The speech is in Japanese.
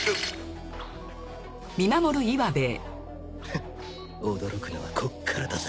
ヘッ驚くのはこっからだぜ。